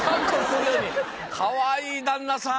かわいい旦那さん。